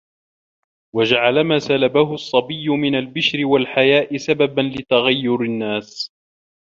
وَجَعَلَ مَا سَلَبَهُ الصَّبِيُّ مِنْ الْبِشْرِ وَالْحَيَاءِ سَبَبًا لِتَغَيُّرِ النَّاسِ